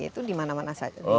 itu di mana mana saja